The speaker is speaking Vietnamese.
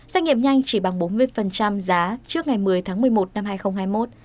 xét nghiệm nhanh chỉ bằng bốn mươi giá trước ngày một mươi tháng một mươi một năm hai nghìn hai mươi một